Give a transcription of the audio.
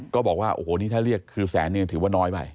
ก็บอกว่าโอ้โหนี่ถ้าเลียก๑๐๐๐๐๐บาทนึงถือว่าน้อยไป